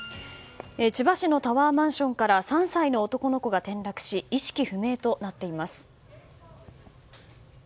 千葉市のタワーマンションから３歳の男の子が転落し意識不明となっています。